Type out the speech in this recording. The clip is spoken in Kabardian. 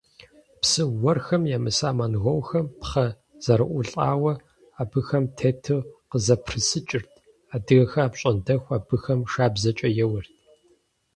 Псы уэрхэм емыса монголхэм пхъэ зэраӏулӏауэ, абыхэм тету къызэпрысыкӏырт, адыгэхэр апщӏондэху абыхэм шабзэкӏэ еуэрт.